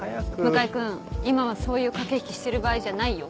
向井君今はそういう駆け引きしてる場合じゃないよ。